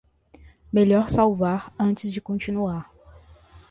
Melhor salvar antes de continuar.